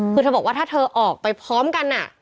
คือเธอบอกว่าถ้าเธอออกไปพร้อมกัน